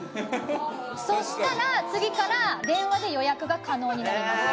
そしたら次から電話で予約が可能になります。